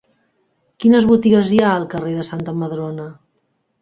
Quines botigues hi ha al carrer de Santa Madrona?